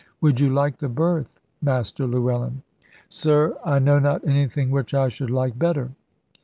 Would you like the berth, Master Llewellyn?" "Sir, I know not anything which I should like better."